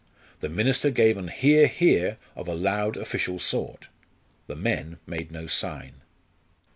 The minister gave an "hear, hear," of a loud official sort; the men made no sign.